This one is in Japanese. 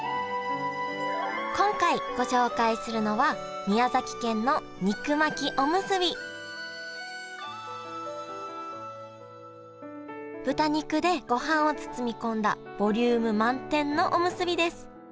今回ご紹介するのは豚肉でごはんを包み込んだボリューム満点のおむすびです。